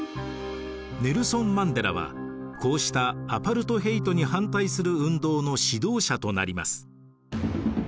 ネルソン・マンデラはこうしたアパルトヘイトに反対する運動の指導者となります。